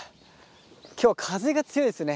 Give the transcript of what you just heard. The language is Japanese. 今日は風が強いですね。